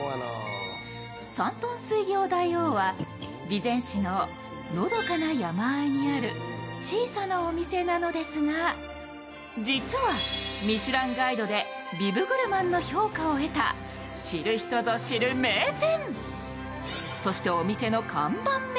山東水餃大王は備前市ののどかな山あいにある小さなお店なのですが実は「ミシュランガイド」でビブグルマンの評価を得た知る人ぞ知る名店。